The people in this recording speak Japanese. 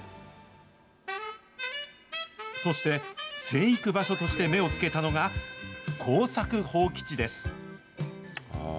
そして、生育場所として目をつけたのが、耕作放棄地です。